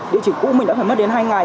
địa chỉ cũ mình đã phải mất đến hai ngày